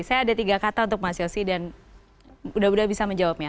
saya ada tiga kata untuk mas yosi dan mudah mudahan bisa menjawabnya